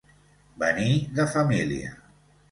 Venir de família.